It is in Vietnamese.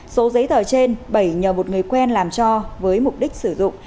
số giấy tờ trên bảy nhờ một người quen làm cho với mục đích sử dụng